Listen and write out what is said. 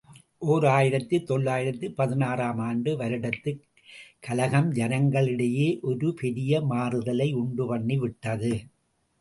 ஓர் ஆயிரத்து தொள்ளாயிரத்து பதினாறு ஆம் ஆண்டு வருடத்துக் கலகம் ஜனங்களிடையே ஒரு பெரிய மாறுதலை உண்டுபண்ணிவிட்டது.